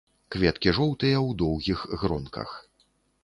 Кветкі жоўтыя ў доўгіх гронках.